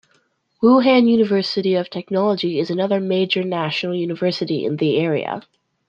Wuhan University of Technology is another major national University in the area.